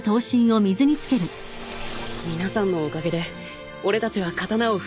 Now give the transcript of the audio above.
皆さんのおかげで俺たちは刀を振るえるんですね。